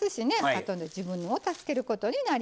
あとの自分を助けることになります。